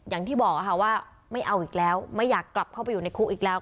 อย่างที่บอกค่ะว่าไม่เอาอีกแล้วไม่อยากกลับเข้าไปอยู่ในคุกอีกแล้ว